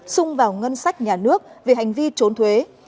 sung vào ngân sách nhà nước về hành vi trốn thuế